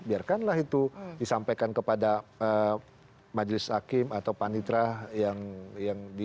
biarkanlah itu disampaikan kepada majelis hakim atau panitra yang di